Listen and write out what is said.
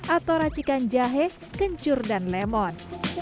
atau racikan jahe kencur dan lemon